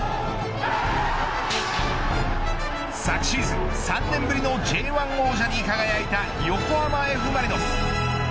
昨シーズン３年ぶりのＪ１王座に輝いた横浜Ｆ・マリノス。